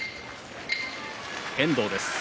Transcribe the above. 遠藤です。